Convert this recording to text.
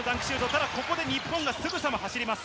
ただ、ここで日本がすぐさま走ります。